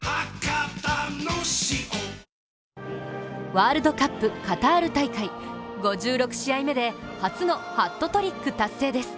ワールドカップカタール大会５６試合目で初のハットトリック達成です。